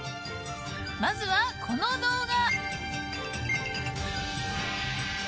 まずはこの動画。